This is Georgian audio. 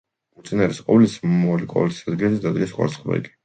უწინარეს ყოვლისა მომავალი კოლოსის ადგილზე დადგეს კვარცხლბეკი.